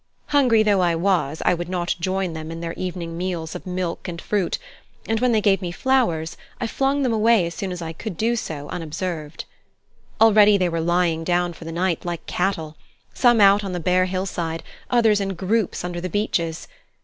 Hungry though I was, I would not join them in their evening meals of milk and fruit, and, when they gave me flowers, I flung them away as soon as I could do so unobserved. Already they were lying down for the night like cattle some out on the bare hillside, others in groups under the beeches.